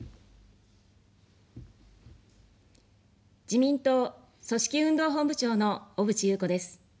自民党組織運動本部長の小渕優子です。